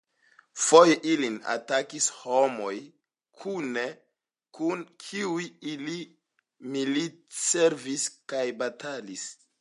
Foje ilin atakis homoj, kune kun kiuj ili militservis kaj batalis.